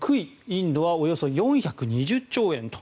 インドはおよそ４２０兆円と。